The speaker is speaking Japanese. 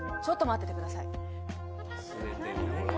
ちょっと待っててください。